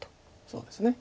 そうですね。